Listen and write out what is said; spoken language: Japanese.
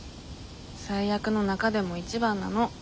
最悪の中でも一番なの。